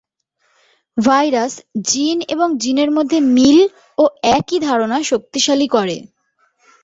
Virus, gene এবং জিনের মধ্যে মিল ও একই ধারণা শক্তিশালী করে।